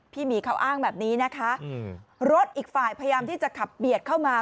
หมีเขาอ้างแบบนี้นะคะรถอีกฝ่ายพยายามที่จะขับเบียดเข้ามา